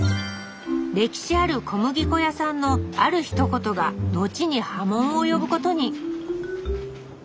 歴史ある小麦粉屋さんのあるひと言が後に波紋を呼ぶことに。